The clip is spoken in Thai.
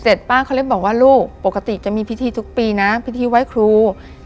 ป้าเขาเลยบอกว่าลูกปกติจะมีพิธีทุกปีนะพิธีไว้ครู